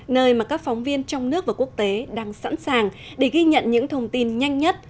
nơi mà các phóng viên trong nước và quốc tế đang sẵn sàng để ghi nhận những thông tin nhanh nhất